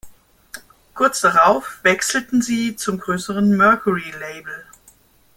Kurz darauf wechselten sie zum größeren Mercury-Label.